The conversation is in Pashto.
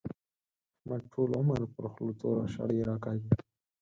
احمد ټول عمر پر خوله توره شړۍ راکاږي.